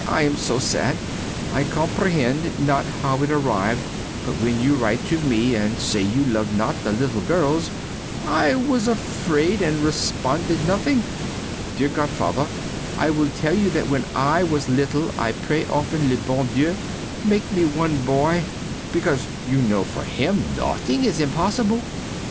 I am so sad! I comprehend not how it arrived, but when you write to me and say you love not the little girls I was afraid and responded nothing. Dear godfather, I will tell you that when I was little I pray often the bon Dieu make me one boy, because you know, for Him nothing is impossible.